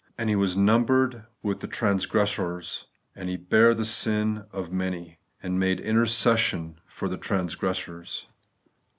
And He was numbered with the transgressors ; And He bare the sin of many, And MADE intercession for the transgressors.